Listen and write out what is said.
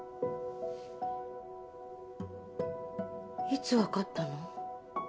いつ分かったの？